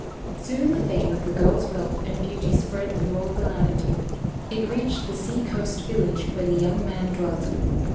Soon the fame of the girl's wealth and beauty spread through all the land. It reached the sea coast village where the young man dwelt.